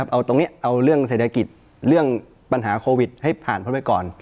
เอาตรงนี้เอาเรื่องเศรษฐกิจเรื่องปัญหาโควิดให้ผ่านพ้นไปก่อน